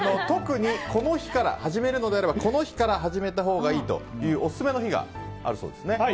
特に始めるのであればこの日から始めたほうがいいというオススメの日があるそうですね。